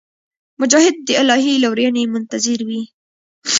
مجاهد د الهي لورینې منتظر وي.